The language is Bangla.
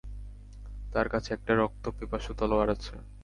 তার কাছে একটা রক্তপিপাসু তলোয়ার আছে।